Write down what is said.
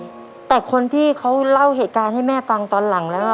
แต่คนที่เขาเล่าเหตุการณ์ให้แม่ฟังตอนหลังแล้วอ่ะ